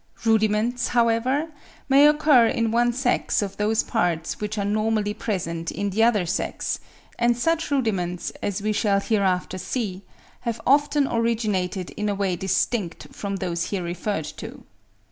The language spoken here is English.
Rudiments, however, may occur in one sex of those parts which are normally present in the other sex; and such rudiments, as we shall hereafter see, have often originated in a way distinct from those here referred to.